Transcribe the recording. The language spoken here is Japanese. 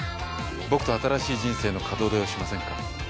僕と新しい人生の門出をしませんか？